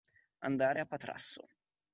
Andare a Patrasso.